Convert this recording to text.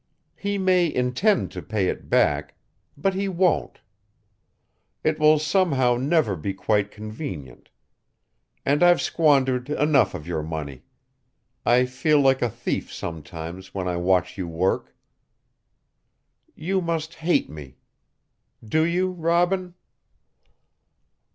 He may intend to pay it back. But he won't; it will somehow never be quite convenient. And I've squandered enough of your money. I feel like a thief sometimes when I watch you work. You must hate me. Do you, Robin?"